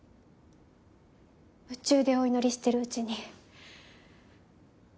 夢中でお祈りしてるうちに。